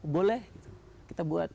boleh kita buat